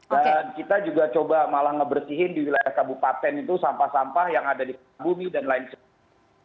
dan kita juga coba malah ngebersihin di wilayah kabupaten itu sampah sampah yang ada di kabupaten bumi dan lain lain